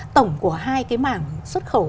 tổng của hai cái mảng xuất khẩu